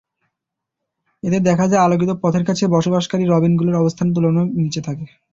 এতে দেখা যায়, আলোকিত পথের কাছে বসবাসকারী রবিনগুলোর অবস্থান তুলনামূলক নিচে থাকে।